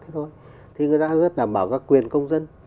thôi thì người ta rất đảm bảo các quyền công dân